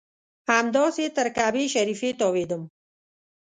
همداسې تر کعبې شریفې تاوېدم.